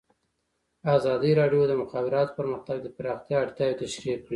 ازادي راډیو د د مخابراتو پرمختګ د پراختیا اړتیاوې تشریح کړي.